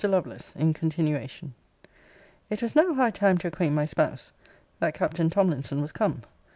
LOVELACE [IN CONTINUATION.] It was now high time to acquaint my spouse, that Captain Tomlinson was come.